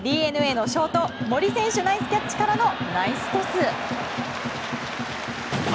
ＤｅＮＡのショート森選手、ナイスキャッチからのナイストス。